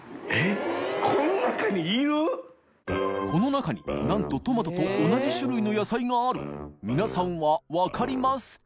罎なんとトマトと同じ種類の野菜がある祿Г気鵑分かりますか？